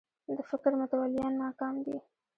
د فکر متولیان ناکام دي